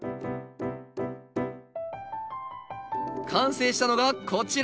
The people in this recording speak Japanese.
完成したのがこちら。